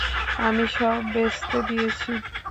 আমি সব ভেস্তে দিয়েছি।